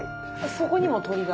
そこにも鳥が。